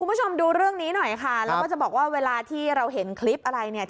คุณผู้ชมดูเรื่องนี้หน่อยค่ะแล้วก็จะบอกว่าเวลาที่เราเห็นคลิปอะไรเนี่ย